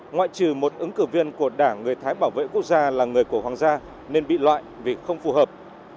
ngoại trừ một ứng cử viên của đảng người thái bảo vệ quốc gia là người của hoàng gia nên bị loại vì không phù hợp